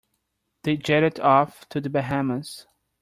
They jetted off to the Bahamas.